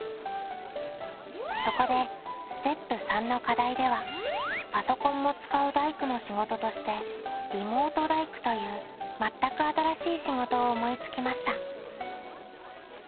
そこでステップ③の課題ではパソコンも使う大工の仕事としてリモート大工という全く新しい仕事を思いつきました。